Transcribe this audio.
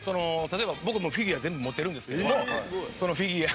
例えば僕もうフィギュア全部持ってるんですけどもそのフィギュア。